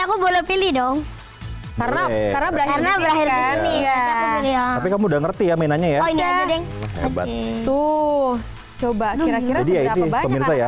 aku boleh pilih dong karena berakhir ini kamu udah ngerti ya mainannya ya tuh coba kira kira